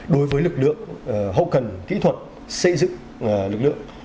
đối với lực lượng hậu cần kỹ thuật xây dựng lực lượng